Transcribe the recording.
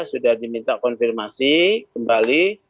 sudah diminta konfirmasi kembali